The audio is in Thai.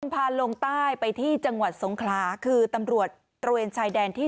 พาลงใต้ไปที่จังหวัดสงขลาคือตำรวจตระเวนชายแดนที่๑